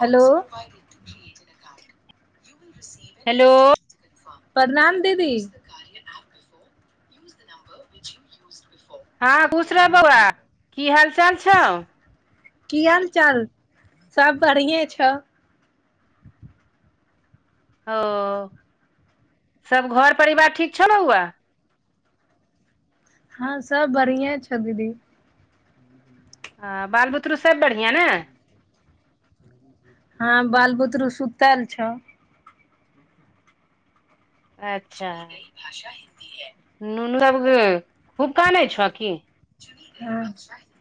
Hello [inaudible] hello प्रणाम दीदी [unintelligible] हँ खुश रह बोआ की हाल चाल छौ की हाल चाल सब बढ़िए छौ ओ सब घर परिवार ठीक छौ बाआ हँ सब बढ़िए छै दीदी हँ बाल बुतरु सब बढ़िआँ नै हँ बाल बुतरु सुंतल छौ अच्छा ई भाषा हिन्दी है नुनू अब खूब कानै छौ की [unintelligible] [unintelligible]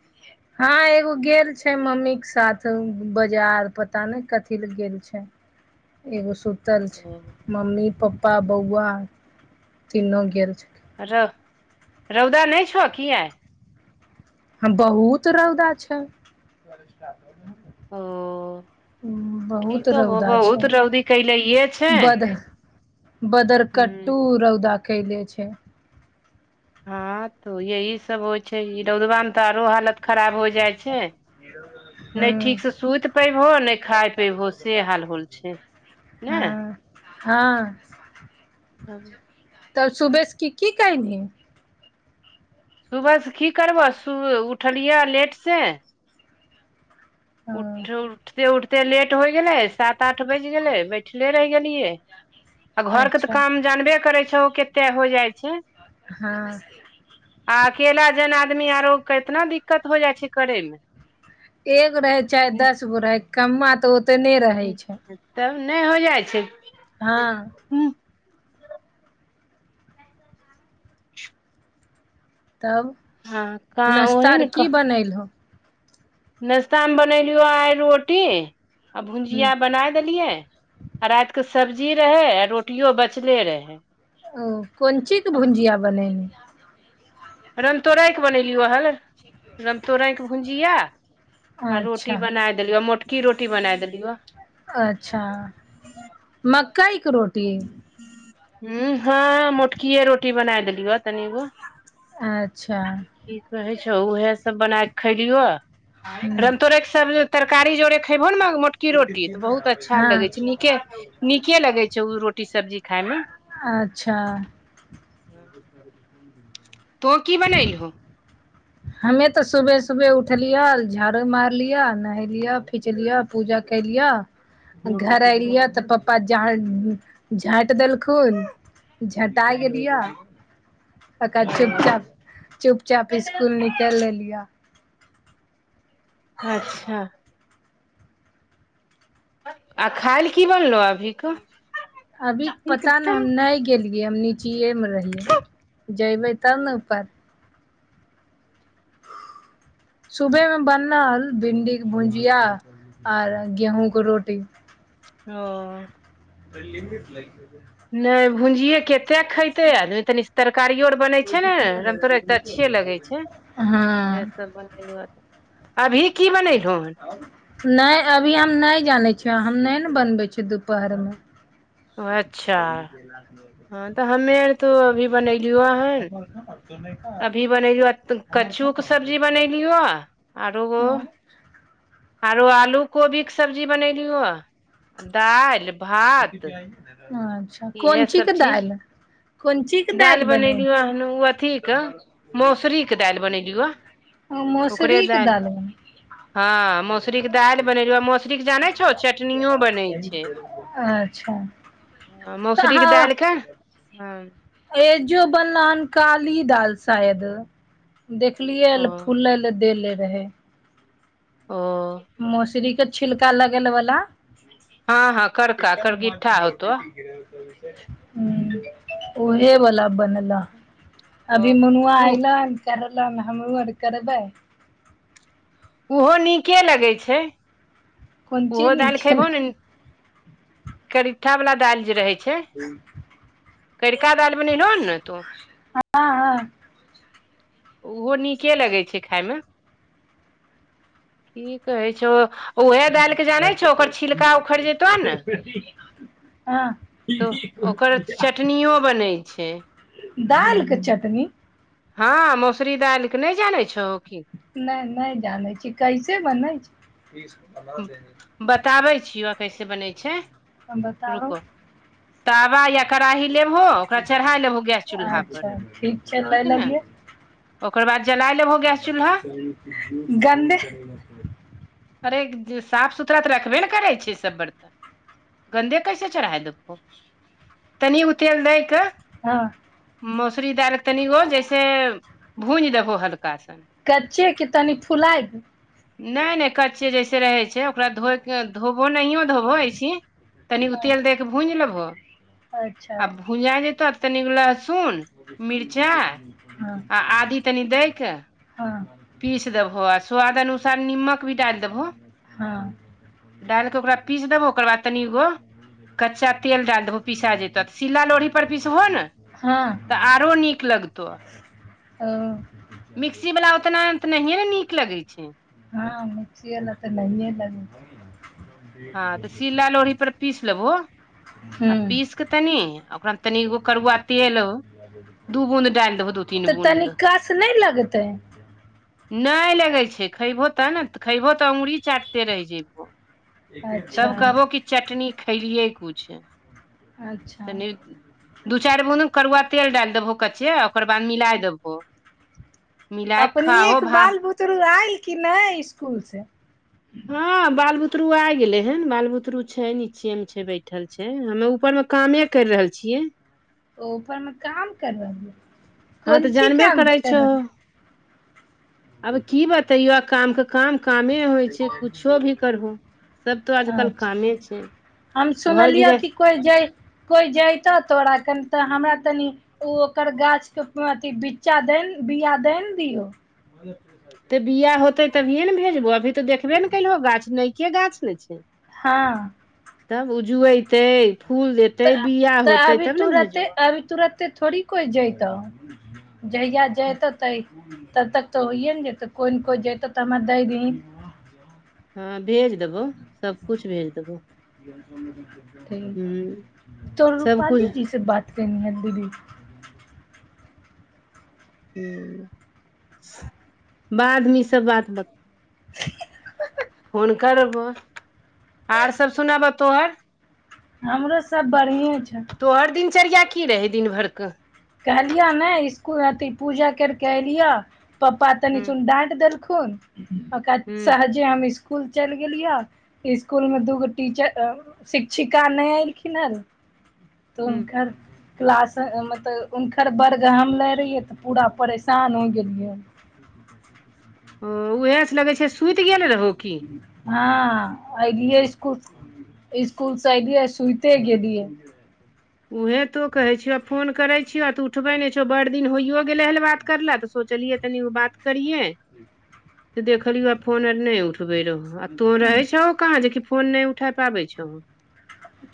हँ एगो गेल छैय मम्मी के साथ बाजार पता नै कथी लए गेल छैय एगो सुत तल ओ छै मम्मी पप्पा बौआ तीनो गेल छैय रौ रौदा नहि छौ कि आय हाँ बहुत रौदा छै ओ की बहुत कहबो रौदा छै बहुत रौदी कैलैये छै बद बदरकट्टू हूं रौदा कैले छै हँ तो यही सब होय [unintelligible] जाइ छै [unintelligible] नहि सुंति पयबहो नहि खाई पैबहो से हाल होल छै नाए हँ हँ [unintelligible] [unintelligible] कल सुबेश की की कयनिही सुबसँ की करबऽ सु उठलियऽ लेटसँ हँ उठ उठते उठत एते लेट होइ गेलै सात आठ बैज गेलै बैठले रहि गेलियै आ घर के तऽ अच्छा काम जानबे करै छ ओ केते हो जाइ छै हँ आ अकेला जन आदमी आरो केतना दिक्कत हो जाइ छैय करे मे एगो रहे चाहे दस गो रहे कमा तऽ ओतने रहै छै ह तब नहि हो जाइ छै हँ हुं तब हँ क नाश्ता ओही आर की बनैलहो नाश्ता मे बनेलियो आइ रोटी आ हूँ भुजिया बनाय देलियै आ रैत क सब्जी रहै आ रोटियो बचले रहै ओ कोन ची के भुजिया बनेनी रामतोराइके बनेलियौ अल रामतोराइके भुजिया आ रोटी अच्छा बनाए देलियौ मोटकी रोटी बनाए देलियौ अच्छा मकई के रोटी ह हँ मोटकीए रोटी बनाय देलियौ तनिगो अच्छा की कहै छौ उएहे सब बना के खैलियो हूँ रामतोरइ के सब तरकारी जोरे खयबहो न म मोट की रोटी तऽ बहुत अच्छा लगे हँ छै नीके नीके लगै छै रोटी सब्जी खाय मे अच्छा तो की बनैलहो हमे तऽ सुबह सुबह उठलियौ झाड़ू मारलियअ नहेलियह फिचलियअ पूजा कैलियै घर ऐलियै तऽ पप्पा झै झाँटि देलखुन झटा गेलियै ओकरा चुपचाप चुप चाप ईस्कुल निकैल लेलियए अच्छा आ खायल की बनलो अभीे अभी पता नहि हम नहि गेलियै हम नीचीये मे रहिै जबे तनप [unintelligible] [unintelligible] [inaudible] सुबहमे बनल भिण्डीके भुजिया आ गेहूँके रोटी ओ लिमीट लागि गेलै नहि भुंजिये कते खैतै आदमी तनी तरकारियो बन छै ने रमतोरै त अच्छिये लगे छै हँ उएहे सब बनेलियै अभी की बनेलहु हन नहि अभी हम नहि जानै छियै हम नहि ने बनबै छियै दुपहरमे अच्छा [inaudible] हँ तऽ हमे आर तो अभी बनेलियो हन अभी बनेलियो कचू के सब्जी बनेलियो आओरो आरो आलू कोबी के सब्जी बनेलीयो ह दाल अच्छा इएह कोन चीज सब के दालि है कोन ची दालि बने बनेलियौ हन ओ अथीके मौसरीके दालि बनेलियौ ओ ओकरे मोसरीके दालि दाल हँ मौसुरी के दालि बनेलिय मौसुरी के जाने छौ चटनियो बनै छै अच्छा हँ तऽ मसुरीके अहाँ दलिके हँ एजो बनल हन काली दाल शायद देखलियै ओ फुलल लद्देले रहे ओ मौसरीके छिलका लगेल बाला हँ हँ कड़का कड़गि्टठा होतो [inaudible] हू ओहे बला बनलऽ अभी ह मुनुआ उ अऐलनि करलन हमरू आर करबै ओहो नीके लगै छै कोन ओहो चीनी दालि खयबहो केलहु ने करीठा बला दालि जे रहै छै करिका दालि बनेलहो ने तो हँ हँ ओहो नीके लगै छै खायमे की कहै छै ओ जेतो ने हँ तो ओकर चटनियों बनै छै दाल के चटनी हँ मसुरी दालिके नहि जानै छहो की नहि नहि जानै छी कैसे बनै छै बताबै छियो कैसे बनै छै हम बताउ रुको तावा या कड़ाही लेबहो ओकरा चढ़ा लेबहो गैस चूल्हा पर अच्छा छै लै ठीक ने ओकर बाद जलायल गान्नेह अरे साफ सुथरा तऽ रखबे ने करै छै सब बर्तन गन्दे कैसे चढ़ाइ देबहो तनी उ तेल दैके हँ मौसरी दालि तनिगो जैसे भूंज देबहो हल्का सन कच्चे के तनि फुलाय दे नहि नहि कच्चे जैसे रहै छै ओकरा धोइ कऽ धोबहो नहिओ धोबहो अइसे अच्छा भूंजा जैतो तनिगो लहसुन मिरचाई हँ आ आदी तनि दै के हँ पीस देबहो आ स्वाद अनुसार निमक भी डालि देबहो हँ डालि कऽ ओकरा पीस देबहो ओकर बाद तनिगो कच्चा तेल डालि देबहो पिसा जेतऽ तऽ सिला लोढ़ी पर पिसबहो ने हँ तऽ आरो नीक लगतो ओ मिक्सी वला ओतना तऽ नहिए ने नीक लगै छै हँ मिर्ची एल तऽ नय लगै हँ तऽ छै सिला लोढ़ी पर पीस लेबहो हूँ पीस के तनि ओकरा मे तनिगो करुआ तेल दू बूद डाल दहो दू तीन तऽ तनी बूद कस नहि लगतै नहि लगे छै खेबहो ते ने खेबहो तऽ अंगुरी चाटते रहि जेयबो अच्छा तब कहबो कि चटनी खैलियै कुछ अच्छा तनी दू चारि बुन्द करुआ तेल डालि देबहो कचे ओकर बाद मिला देबहो मिलाय के खाओ भाह तोरु आयल कि नहि स्कुल से हँ बाल बुतरु आ गेले हेन बाल बुतरु छै नीचे मे छै बैठल छै हमे ऊपर मे कामे केर रहल छियै ओ उपर काम करब हँ कोन तऽ ची काम कर अब की बतइयौ आ काम काम कामे होइ छै कुछो भी करभो सब तो आजकल अच्छा कामे छै हम घर सुनलियह कि गृहस्थ कोइ जइ कोइ जयैतह तोरा कन तऽ हमरा तनि ओ ओकर गाछके अथी बिच्चा द बीआ द ने दियौ ब [unintelligible] तऽ बिया होते तभिए ने भेजबो अभी तऽ देखबे ने केलहो गाछ नैके गाछ ने छै हँ तब उजते फूल देते [unintelligible] तऽ अभी तुरते अभी तुरत ते थोड़ी कोइ जैत जहिया जतऽ तब तक तऽ होइए ने जतौ कोइ ने कोइ जतौ तऽ हमर दै दही हँ भेज देबौ सबकुछ भेज देबौ हुँ तोर सबकुछ रूपालपाली जी से बात करनी ह दीदी बादमे इसब बात [inaudible] फोन करबो आर सब सुनबऽ तो हमरो सब बढ़िए छै तोहर दिनचर्या की रहै दिन भर क कहलियो ने इसकुल अथी पूजा करिके अलियअ पप्पा हूँ तनिसन ांट देलखुन ओक हूँ सहजे हम स्सकुल चलि गेलियय [unintelligible] स्कुल मे दूगो टीचर शिक्षिका नहि एलखिन यो तऽ हूँ हुनकर क्लास मतलब हुनकर वर्ग हम लै रहियै तऽ पूरा परेशान हो गेलियै। ओ उएहा सँ लगै छै सुत गेल रहौ की हँ ऐलियै इसकुल इसकुल से ऐलियऐ सुते गेलियै उएहे तो कहै छियह फोन करै छियह तू उठबै नहि छै बड़ दिन होइयो गेलै हल बात कर ले तऽ सोचलियै तनीगो बात करिये ज त देखलिय आ फोन आर नहि उठबे उठबे रहौ आ तों रहे छौ कहाँ जेकी फोन नहि उठा पाबै छै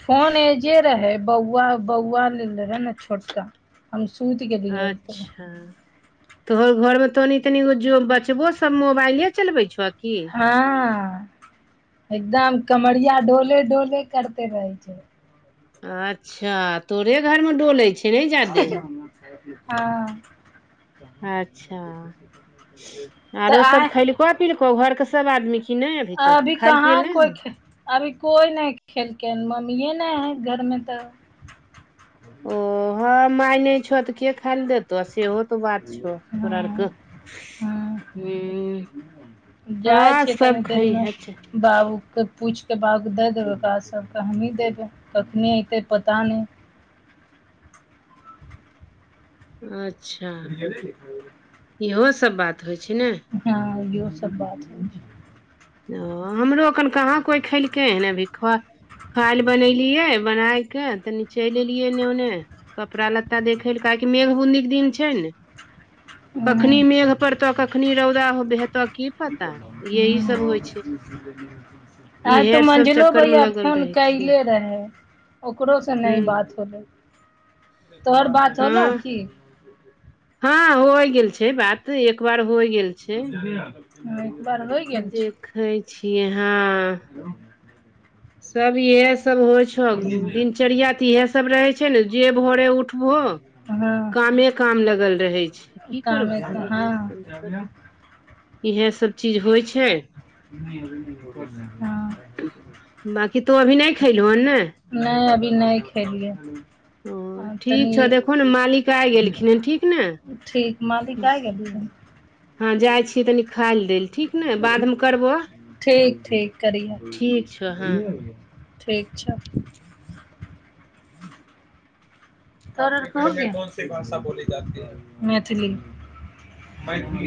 फोन एजे रहै बौआ बौआ लेल रहै छोटका हम सुति गेलियै तऽ अच्छा तोहर घरमे तनी तनिगो जो बचबो सब मोबाइले चलबै छै की हँ एकदम कमरिया डोले डोले करते रहे छै त अच्छा तोरे घर मे डोले छ हँ अच्छा तऽ आय पी [unintelligible] लको घर के सब आदमी की नहि अभी तक खाय लए पियए कहाँ ले नहि कोइ ह खे अभी कोइ नहि खेलकै हन मम्मिये नहि है घरमे तऽ ओ हँ माय नहि छै तऽ के खायइ ल देते तऽ सेहो तो बात छै तोरा हँ आरके हँ ह जाइ हँ छिय सब तनी देरमे। खैहे छै बाबूके पूछिके बाबू दै देबै ओकरा सबके हमी देबै कखने ऐते पता नहि अच्छा इहो सभ बात होइ छै ने हँ इहो सभ बात है ओ हमरोखन कहाँ कोइ खेलकै हन अभी ख काईल ले बनेलियै बनायके तनी चलि एलियै एने ओन्ने कपड़ा लत्ता देखै लए काहेकि मेघ बूदी के दिन छै ने कखनी मेघ पड़तऽ कखनी रौदा हेतऽ की पता यही सभ होइ छै आइ इहे तो आर सब मझलो चक्कर मे भैया लगल फोन रहे छियै कले रहे ओकरो से नहि हूँ बात होले तोर बात होलो हँ की हँ हो गेल छै बात एक बार हो गेल छै ह एक बार होइ गेल छै कहै छियै हँ सब इह सब होइ छौ दिनचर्या तऽ इएहे सब रहै छै ने जे भोरे उठबो हँ कामे काम लगल रहै छै की कामे तऽ करबो इहे हँ हँ सब इएह सब चीज होइ छै ह बाँकी तो अभी नहि खैलहो हन ने नहि अभी नहि खेलियै ओ आ ठीक तनी छौ देखहो ने मालिक आइ गेलखिन हन ठीक ने ठीक मालिक आइ गेलथिन हँ जाय छी तनी खाय ल देल ठीक ने बादमे करबो ठीक ठीक करिय ठीक छौ हँ ठीक छै [unintelligible] भाषा बोली जाती है मैथिली मैथिली